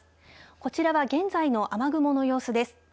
こちらは現在の雨雲の様子です。